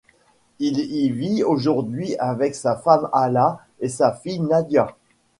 Il y vit aujourd'hui avec sa femme Hala et sa fille, Nadia.